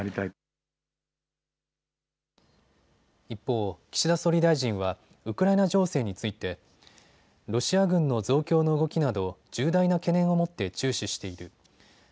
一方、岸田総理大臣はウクライナ情勢についてロシア軍の増強の動きなど重大な懸念を持って注視している。